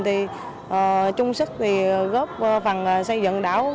và đoàn viên của trung sức góp phần xây dựng đảo